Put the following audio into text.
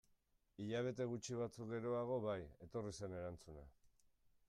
Hilabete gutxi batzuk geroago bai, etorri zen erantzuna.